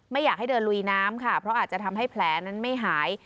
ไม่อยากให้เดินลุยน้ำค่ะเพราะอาจจะทำให้แผลนั้นไม่หาย